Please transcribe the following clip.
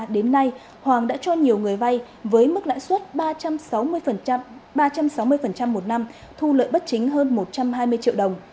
đến nay hoàng đã cho nhiều người vay với mức lãi suất ba trăm sáu mươi một năm thu lợi bất chính hơn một trăm hai mươi triệu đồng